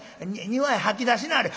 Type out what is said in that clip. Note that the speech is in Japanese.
庭へ吐き出しなはれ」。